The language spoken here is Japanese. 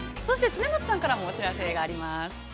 恒松さんからもお知らせがあります。